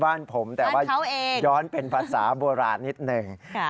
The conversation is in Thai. บ้านผมแต่ว่าย้อนเป็นภาษาโบราณนิดหนึ่ง